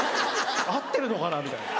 合ってるのかな⁉みたいな。